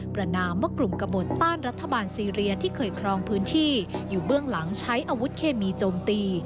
ประนามว่ากลุ่มกระบดต้านรัฐบาลซีเรียที่เคยครองพื้นที่อยู่เบื้องหลังใช้อาวุธเคมีโจมตี